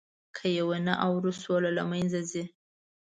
که یې ونه اورو، سوله له منځه ځي.